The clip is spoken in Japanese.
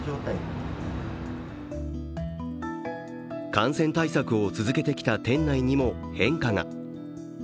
感染対策を続けてきた店内にも変化が。